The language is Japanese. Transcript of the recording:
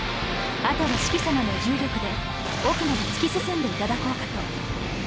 あとはシキさまの重力で奥まで突き進んでいただこうかと。